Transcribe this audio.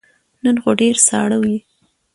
نن خو ډیر ساړه دی